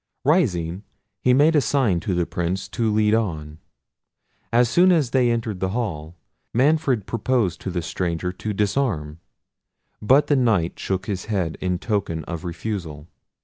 Rising, he made a sign to the Prince to lead on. As soon as they entered the hall, Manfred proposed to the stranger to disarm, but the Knight shook his head in token of refusal.